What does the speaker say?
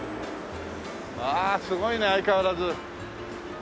ああすごいね相変わらず。